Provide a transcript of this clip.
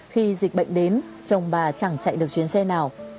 khi dịch bệnh đến chồng bà chẳng chạy được chuyến xe nào